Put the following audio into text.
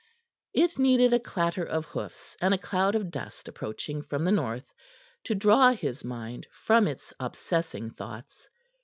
It needed a clatter of hoofs and a cloud of dust approaching from the north to draw his mind from its obsessing thoughts.